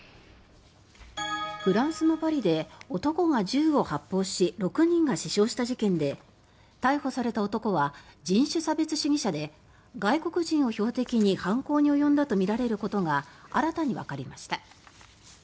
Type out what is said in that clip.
フランスのパリで男が銃を発砲し６人が死傷した事件で逮捕された男は人種差別主義者で外国人を標的に犯行に及んだとみられることが新たにわかりました。